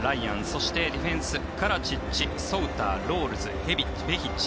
そしてディフェンスカラチッチ、ソウターロールズ、ベヒッチ。